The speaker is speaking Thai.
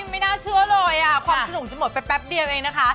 ไม่น่าเชื่อเลยความสนุกจะหมดไปแป๊บเดียวเองนะคะ